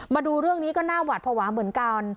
มาดูเรื่องนี้ก็น่าหวัดภาวะเหมือนกัน